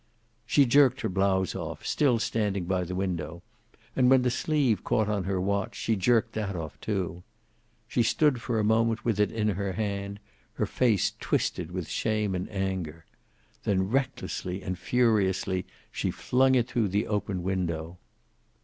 She jerked her blouse off, still standing by the window, and when the sleeve caught on her watch, she jerked that off, too. She stood for a moment with it in her hand, her face twisted with shame and anger. Then recklessly and furiously she flung it through the open window.